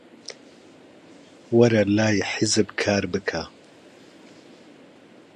وەرە لای حیزب کار بکە.